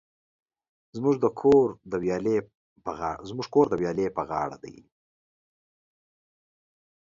زموژ کور د ویالی په غاړه دی